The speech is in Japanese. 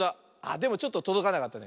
でもちょっととどかなかったね。